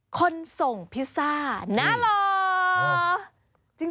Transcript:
คนส่งพิซซ่าน่ารอ